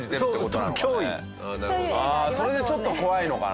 それでちょっと怖いのかな。